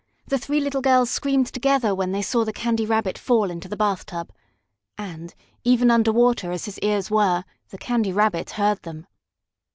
The three little girls screamed together when they saw the Candy Rabbit fall into the bathtub. And, even under water as his ears were, the Candy Rabbit heard them.